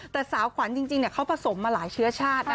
แต่สาวขวัญจริงเขาผสมมาหลายเชื้อชาตินะ